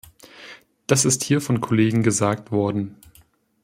Das ist hier von Kollegen gesagt worden.